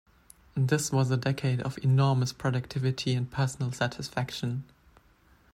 This was a decade of enormous productivity and personal satisfaction.